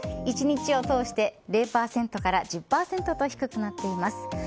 １日を通して０％から１０％と低くなっています。